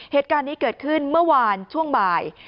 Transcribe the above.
เหตุการณ์นี้เกิดขึ้นเมื่อวานช่วงบ่าย